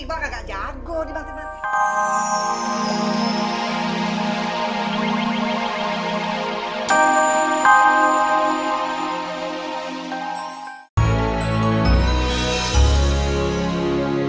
iqbal kagak jago dibantai bantai